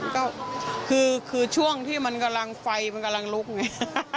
ก็คือช่วงที่มันกำลังไฟมันกำลังลุกไง